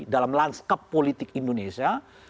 dalam lanskap politik indonesia